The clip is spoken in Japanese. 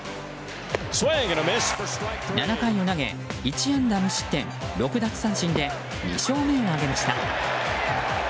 ７回を投げ１安打無失点６奪三振で２勝目を挙げました。